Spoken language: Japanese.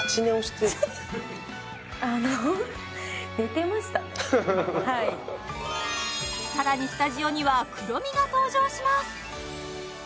あのはいさらにスタジオにはクロミが登場します